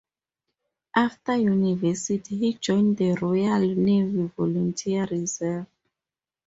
After university he joined the Royal Navy Volunteer Reserve.